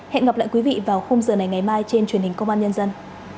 hẹn gặp lại quý vị vào khung giờ này ngày mai trên truyền hình công an nhân dân